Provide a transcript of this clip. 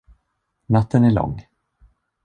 Natten är lång.